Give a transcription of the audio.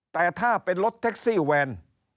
แต่ถ้าเป็นรถแท็กซี่แวน